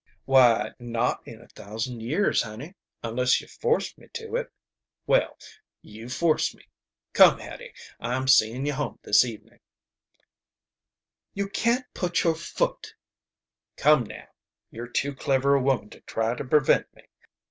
"Why, not in a thousand years, honey, unless you forced me to it. Well, you've forced me. Come, Hattie, I'm seein' you home this evenin'." "You can't put your foot " "Come now. You're too clever a woman to try to prevent me.